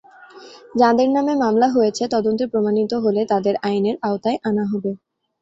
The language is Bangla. যাঁদের নামে মামলা হয়েছে, তদন্তে প্রমাণিত হলে তাঁদের আইনের আওতায় আনা হবে।